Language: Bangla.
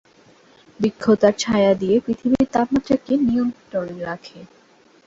বৃক্ষ তার ছায়া দিয়ে পৃথিবীর তাপমাত্রাকে নিয়ন্ত্রণে রাখে।